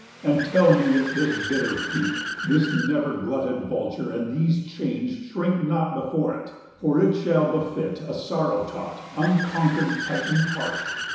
and tell me if this bitter peak, This never glutted vulture, and these chains 130 Shrink not before it; for it shall befit A sorrow taught, unconquered Titan heart.